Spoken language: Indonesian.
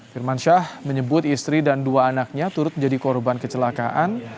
firmansyah menyebut istri dan dua anaknya turut menjadi korban kecelakaan